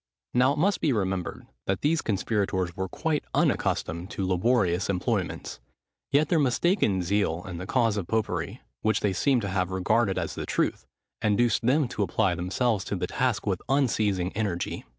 Now it must be remembered, that these conspirators were quite unaccustomed to laborious employments: yet their mistaken zeal in the cause of popery, which they seem to have regarded as the truth, induced them to apply themselves to the task with unceasing energy.